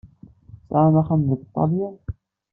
Tesɛam axxam deg Ṭṭalyan?